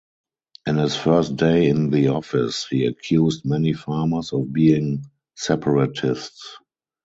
In his first day in the office, he accused many farmers of being separatists.